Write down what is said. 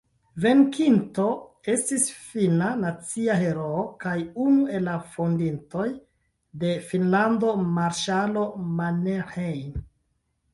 Venkinto estis finna nacia heroo kaj unu el la fondintoj de Finnlando marŝalo Mannerheim.